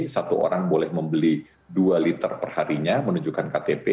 satu orang boleh membeli dua liter perharinya menunjukkan ktp